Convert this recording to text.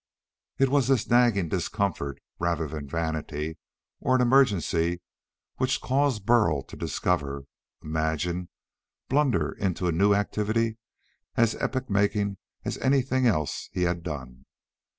It was this nagging discomfort, rather than vanity or an emergency which caused Burl to discover imagine blunder into a new activity as epoch making as anything else he had done.